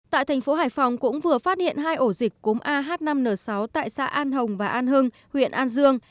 tại thành phố hải phòng cũng vừa phát hiện hai ổ dịch cúm ah năm n sáu tại xã an hồng và an hưng huyện an dương